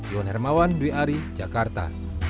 iwan hermawan dwi ari jakarta